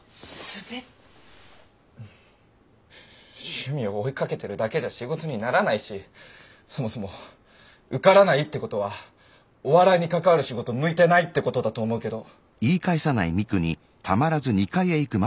趣味を追いかけてるだけじゃ仕事にならないしそもそも受からないってことはお笑いに関わる仕事向いてないってことだと思うけど。